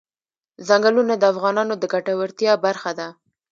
ځنګلونه د افغانانو د ګټورتیا برخه ده.